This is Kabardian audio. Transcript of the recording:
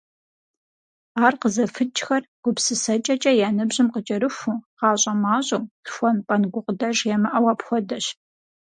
Ар къызэфыкӀхэр гупсысэкӀэкӀэ я ныбжьым къыкӀэрыхуу, гъащӀэ мащӀэу, лъхуэн-пӀэн гукъыдэж ямыӀэу апхуэдэщ.